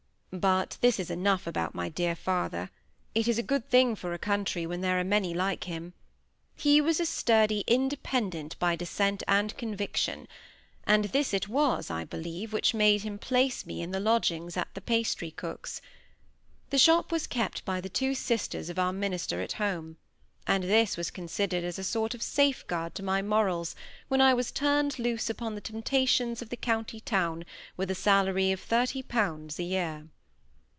But this is enough about my dear father; it is a good thing for a country where there are many like him. He was a sturdy Independent by descent and conviction; and this it was, I believe, which made him place me in the lodgings at the pastry cook's. The shop was kept by the two sisters of our minister at home; and this was considered as a sort of safeguard to my morals, when I was turned loose upon the temptations of the county town, with a salary of thirty pounds a year.